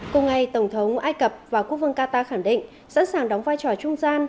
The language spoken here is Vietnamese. cùng ngày tổng thống ai cập và quốc vương qatar khẳng định sẵn sàng đóng vai trò trung gian